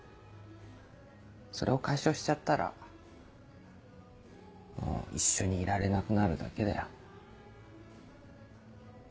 それを解消しちゃったらもう一緒にいられなくなるだけだよ。